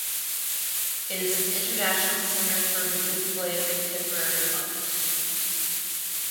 It is an international centre for the display of contemporary art.